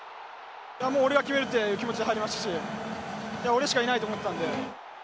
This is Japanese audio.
俺が決めるって気持ちで入りましたし俺しかいないと思ったので。